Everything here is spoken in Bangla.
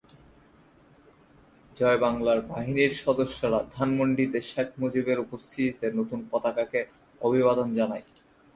‘জয়বাংলা বাহিনী’র সদস্যরা ধানমন্ডিতে শেখ মুজিবের উপস্থিতিতে নতুন পতাকাকে অভিবাদন জানায়।